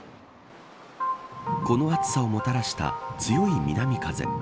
この暑さをもたらした強い南風。